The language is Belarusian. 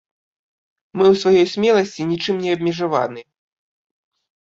Мы ў сваёй смеласці нічым не абмежаваныя.